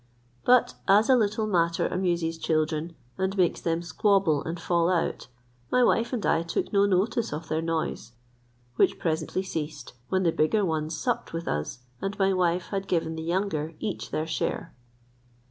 But as a little matter amuses children, and makes them squabble and fall out, my wife and I took no notice of their noise, which presently ceased, when the bigger ones supped with us, and my wife had given the younger each their share.